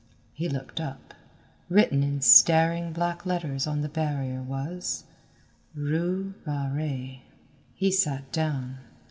He looked up. Written in staring black letters on the barrier was RUE BARRÉE. He sat down.